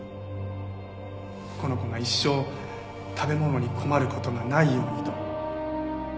この子が一生食べ物に困る事がないようにと。